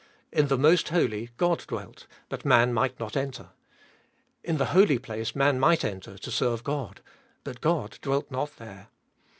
In the Most Holy God dwelt, but man might not enter. In the Holy Place man might enter to serve God, but God dwelt not there.